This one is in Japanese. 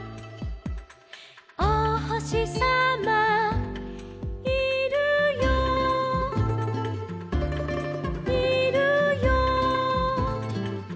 「おほしさまいるよいるよ」